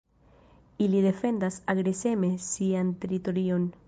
Ili defendas agreseme sian teritorion.